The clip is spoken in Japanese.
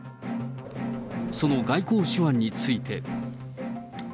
その外交手腕について。